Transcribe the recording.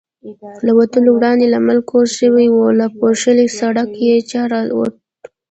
له وتلو وړاندې لمر کوز شوی و، له پوښلي سړکه چې را ووتو.